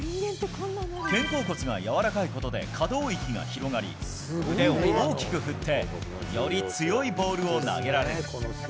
肩甲骨が柔らかいことで可動域が広がり、腕を大きく振ってより強いボールを投げられる。